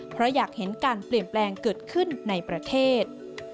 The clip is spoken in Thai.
เพราะอยากเห็นการเปลี่ยนแปลงเกิดขึ้นในประเทศ